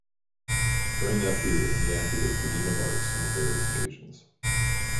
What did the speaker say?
During that period he acted as the dean of arts on various occasions.